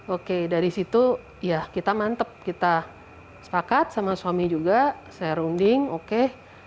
oke dari situ ya kita mantep kita sepakat sama suami juga saya runding oke